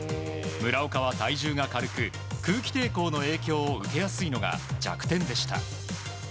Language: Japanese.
村岡は体重が軽く空気抵抗の影響を受けやすいのが弱点でした。